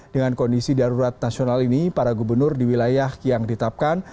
dengan kondisi darurat nasional ini para gubernur di wilayah yang ditapkan